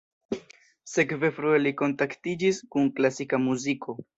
Sekve frue li kontaktiĝis kun klasika muziko.